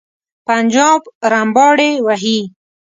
پنجاب رمباړې وهي.